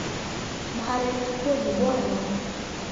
Mhariri mkuu ni Bw.